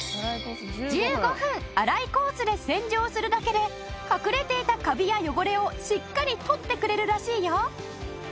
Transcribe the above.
１５分洗いコースで洗浄するだけで隠れていたカビや汚れをしっかり取ってくれるらしいよ！